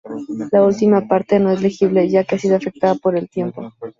La última parte no es legible, ya que ha sido afectado por el tiempo.